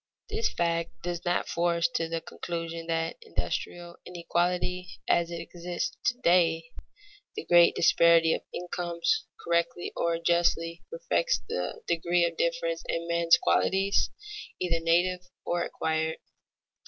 This fact does not force to the conclusion that industrial inequality as it exists to day, the great disparity of incomes, correctly or justly reflects the degree of difference in men's qualities, either native or acquired.